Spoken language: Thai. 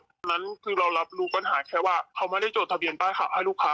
เพราะฉะนั้นคือเรารับรู้ปัญหาแค่ว่าเขาไม่ได้จดทะเบียนป้ายข่าวให้ลูกค้า